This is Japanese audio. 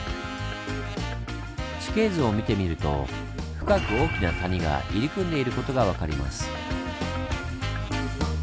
地形図を見てみると深く大きな谷が入り組んでいることが分かります。